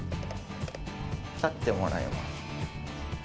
立ってもらいます。